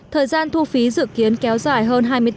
thời gian thu phí dự kiến kéo dài hơn hai mươi bốn